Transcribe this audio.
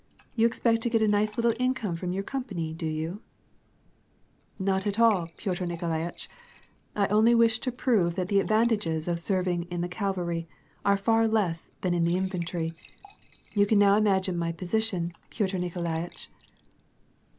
you expect to get a nice little income from your company, do you ?" "Not at all, Piotr Nikolaitch, I only wish to prove that the advantages of serving in the cavalry are far less than in the infantry. You can now imagine my position, Piotr Niko laitch."